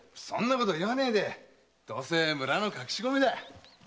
そんなこと言わねえでどうせ村の隠し米だ。